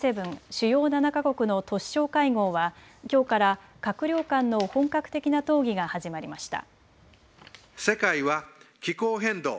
・主要７か国の都市相会合はきょうから閣僚間の本格的な討議が始まりました。